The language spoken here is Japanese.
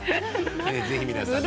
ぜひ皆さん